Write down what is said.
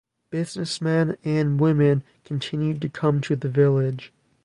Businessmen and women continued to come to the village.